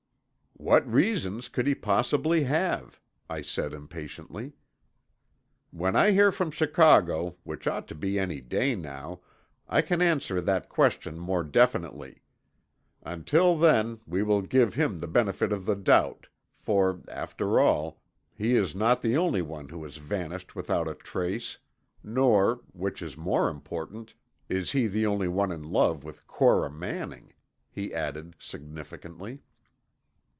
"What reasons could he possibly have?" I said impatiently. "When I hear from Chicago, which ought to be any day now, I can answer that question more definitely. Until then we will give him the benefit of the doubt, for, after all, he is not the only one who has vanished without a trace, nor, which is more important, is he the only one in love with Cora Manning," he added significantly.